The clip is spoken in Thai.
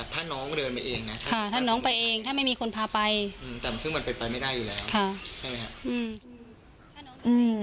ถ้าน้องก็เดินไปเองนะถ้าไม่มีคนพาไปแต่มันไปไม่ได้อยู่แล้ว